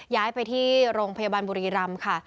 ย้ายไปที่โรงพยาบาลบุรีรำค่ะ